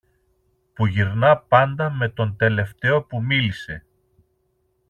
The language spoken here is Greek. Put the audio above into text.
που γυρνά πάντα με τον τελευταίο που μίλησε